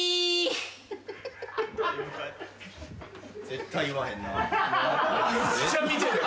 絶対言わへんな。